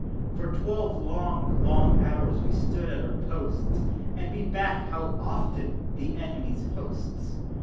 For twelve long, long hours we stood at our posts, And beat back, how often! the enemy's hosts.